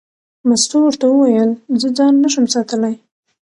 مستو ورته وویل: زه ځان نه شم ساتلی.